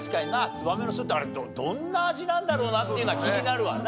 ツバメの巣ってあれどんな味なんだろうなっていうのは気になるわな。